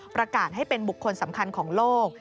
ประกาศให้เป็นบุคคลสำคัญของโลก